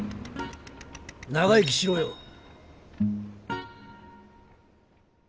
長生きしろよ。